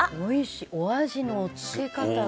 お味の付け方が。